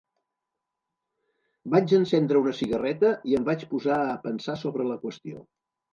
Vaig encendre una cigarreta i em vaig posar a pensar sobre la qüestió.